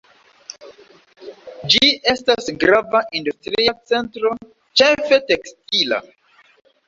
Ĝi estas grava industria centro, ĉefe tekstila.